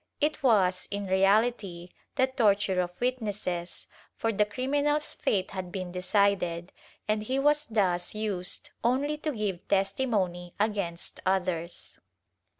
It was, in reality, the torture of witnesses, for the criminal's fate had been decided, and he was thus used only to give testimony against others.